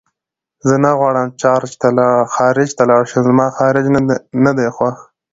زه نه غواړم خارج ته لاړ شم زما خارج نه دی خوښ